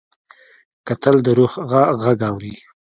کتل د روح غږ اوري